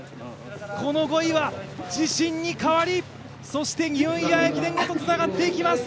この５位は自信に変わり、そしてニューイヤー駅伝へとつながっていきます。